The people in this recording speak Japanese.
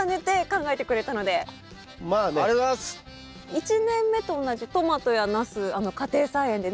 １年目と同じトマトやナス家庭菜園でね